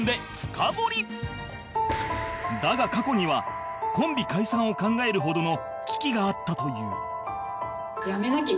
だが過去にはコンビ解散を考えるほどの危機があったという